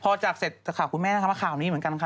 พอจากเกิดสนข่าวคุณแม่ทำค่าวนี้เหมือนกันค่ะ